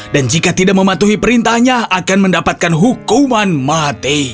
dan jika tidak mematuhi perintahnya akan mendapatkan hukuman mati